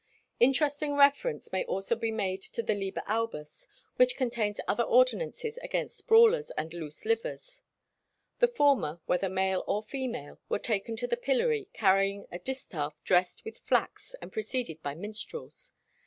Interesting reference may also be made to the "Liber Albus" which contains other ordinances against brawlers and loose livers. The former, whether male or female, were taken to the pillory, carrying a distaff dressed with flax and preceded by minstrels.